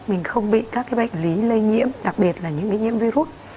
mình không bị các cái bệnh lý lây nhiễm đặc biệt là những cái nhiễm virus